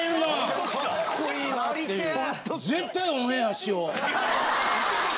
絶対オンエアしよ。